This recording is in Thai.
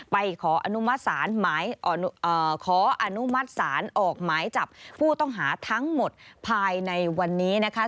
ขออนุมัติศาลขออนุมัติศาลออกหมายจับผู้ต้องหาทั้งหมดภายในวันนี้นะคะ